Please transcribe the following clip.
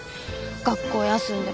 学校休んでまで。